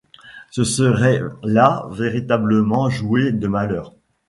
Ce serait là véritablement jouer de malheur